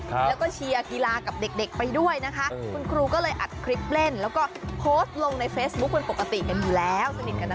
แล้วก็เชียร์กีฬากับเด็กเด็กไปด้วยนะคะคุณครูก็เลยอัดคลิปเล่นแล้วก็โพสต์ลงในเฟซบุ๊คเป็นปกติกันอยู่แล้วสนิทกันนะคะ